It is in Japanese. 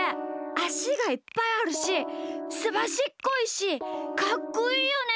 あしがいっぱいあるしすばしっこいしかっこいいよね？